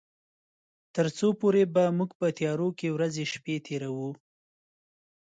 تر څو پورې به موږ په تيارو کې ورځې شپې تيروي.